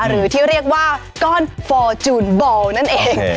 หรือที่เรียกว่าก้อนฟอร์จูนบอลนั่นเอง